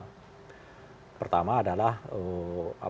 menurut saya beliau menegaskan tiga hal